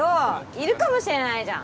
いるかもしれないじゃん！